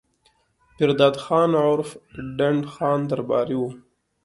پير داد خان عرف ډنډ خان درباري وو